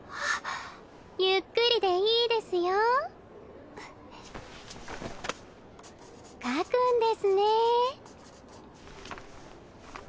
ゆっくりでいいですよ。書くんですね。